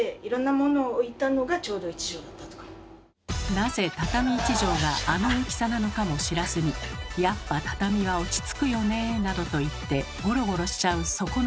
なぜ畳１畳があの大きさなのかも知らずに「やっぱ畳は落ち着くよね」などと言ってゴロゴロしちゃうそこのあなた。